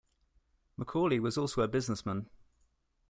MacAulay was also a businessman.